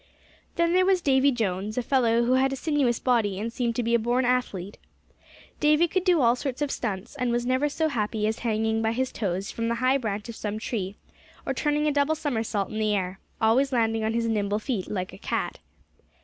Then there was Davy Jones, a fellow who had a sinuous body, and seemed to be a born athlete. Davy could do all sorts of "stunts," and was never so happy as hanging by his toes from the high branch of some tree; or turning a double somersault in the air, always landing on his nimble feet, like a cat.